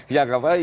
ya kenapa ya